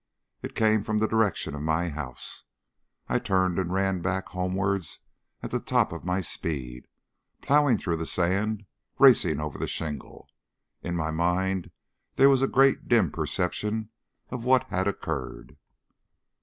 It came from the direction of my house. I turned and ran back homewards at the top of my speed, ploughing through the sand, racing over the shingle. In my mind there was a great dim perception of what had occurred.